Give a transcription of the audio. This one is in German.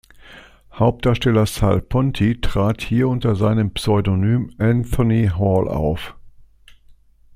Hauptdarsteller Sal Ponti trat hier unter seinem Pseudonym Anthony Hall auf.